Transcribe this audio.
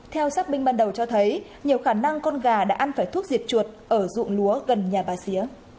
theo xác minh ban đầu cho thấy nhiều khả năng con gà đã ăn phải thuốc diệt chuột ở dụng lúa gần nhà bà xía